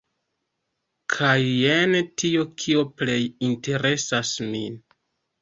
Kaj jen tio kio plej interesas min!